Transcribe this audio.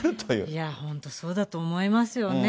いや、本当そうだと思いますよね。